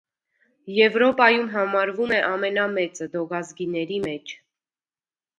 Եվրոպայում համարվում է ամենամեծը, դոգազգիների մեջ։